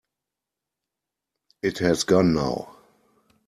It has gone now.